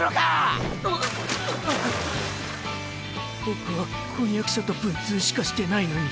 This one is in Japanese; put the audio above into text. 僕は婚約者と文通しかしてないのに。